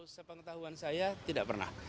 sepengetahuan saya tidak pernah